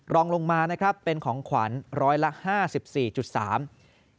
รองลงมานะครับเป็นของขวัญร้อยละ๕๔๓บาท